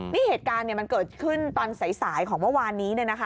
นี่เหตุการณ์มันเกิดขึ้นตอนสายของเมื่อวานนี้